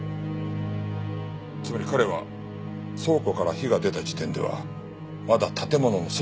つまり彼は倉庫から火が出た時点ではまだ建物の外にいたんです。